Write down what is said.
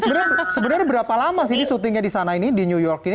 sebenarnya berapa lama sih ini syutingnya di sana ini di new york ini